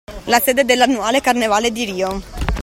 La sede dell'annuale carnevale di Rio.